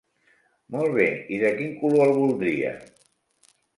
Molt bé, i de quin color el voldria?